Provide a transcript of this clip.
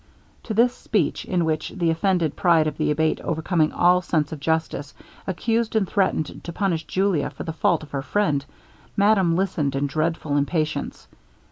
To this speech, in which the offended pride of the Abate overcoming all sense of justice, accused and threatened to punish Julia for the fault of her friend, madame listened in dreadful impatience.